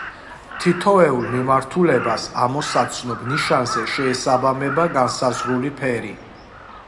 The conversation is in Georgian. თითოეულ მიმართულებას ამოსაცნობ ნიშანზე შეესაბამება განსაზღვრული ფერი.